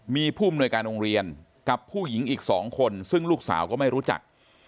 มีผู้อำนวยการโรงเรียนกับผู้หญิงอีก๒คนซึ่งลูกสาวก็ไม่รู้จัก